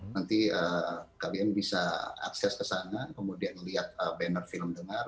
nanti kalian bisa akses ke sana kemudian lihat banner film dengar